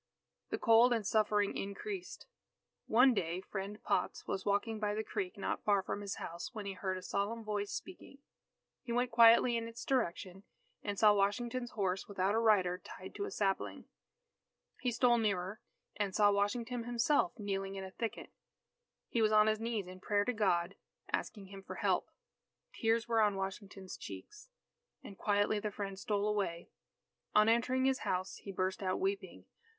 The cold and suffering increased. One day Friend Potts was walking by the creek not far from his house, when he heard a solemn voice speaking. He went quietly in its direction, and saw Washington's horse without a rider tied to a sapling. He stole nearer, and saw Washington himself, kneeling in a thicket. He was on his knees in prayer to God asking Him for help. Tears were on Washington's cheeks. And quietly the Friend stole away. On entering his house, he burst out weeping.